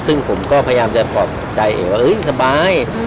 ซึ่งผมก็พยายามจะปลอบใจเองว่าสบาย